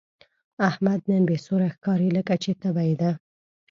احمد نن بې سوره ښکاري، لکه چې تبه یې ده.